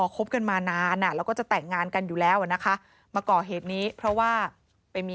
คบกันมานานแล้วก็จะแต่งงานกันอยู่แล้วนะคะ